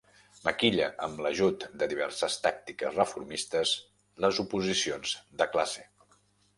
Maquilla, amb l'ajut de diverses tàctiques reformistes, les oposicions de classe.